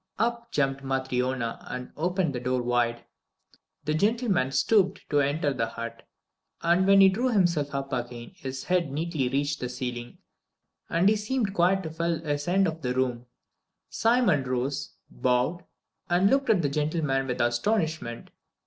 Up jumped Matryona and opened the door wide. The gentleman stooped to enter the hut, and when he drew himself up again his head nearly reached the ceiling, and he seemed quite to fill his end of the room. Simon rose, bowed, and looked at the gentleman with astonishment.